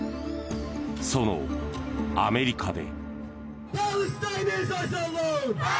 そのアメリカで。